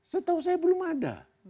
setahu saya belum ada